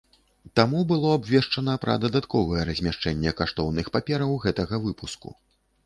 Таму было абвешчана пра дадатковае размяшчэнне каштоўных папераў гэтага выпуску.